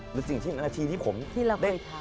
หรือสิ่งที่นาทีที่ผมที่เราได้ทำ